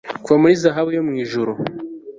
Kuva muri zahabu yo mwijuru